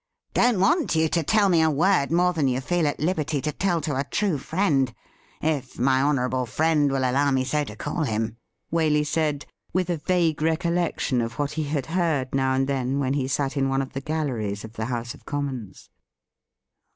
' Don't want you to tell me a word more than you feel at liberty to tell to a true friend, if my honourable friend will allow me so to call him,' Waley said, with a vague recollection of what he had heard now and then when he sat in one of the galleries of the House of Commons.